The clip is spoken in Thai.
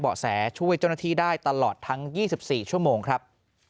แสช่วยเจ้าหน้าที่ได้ตลอดทั้ง๒๔ชั่วโมงครับ